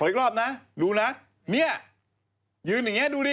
อีกรอบนะดูนะเนี่ยยืนอย่างเงี้ดูดิ